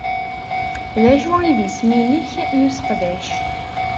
D acu i d isem-inek n useqdac?